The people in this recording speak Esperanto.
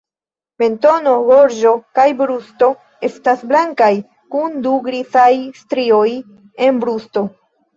Mentono, gorĝo kaj brusto estas blankaj, kun du grizaj strioj en brusto.